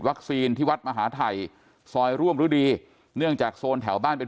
ที่วัดมหาทัยซอยร่วมฤดีเนื่องจากโซนแถวบ้านเป็น